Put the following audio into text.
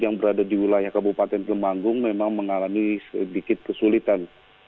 yang berada di wilayah kabupaten temanggung memang mengalami sedikit kesulitan